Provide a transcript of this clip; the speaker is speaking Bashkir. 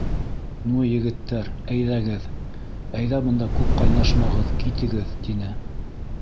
— Ну, егеттәр, әйҙәгеҙ, әйҙә, бында күп ҡайнашмағыҙ, китегеҙ,— тине.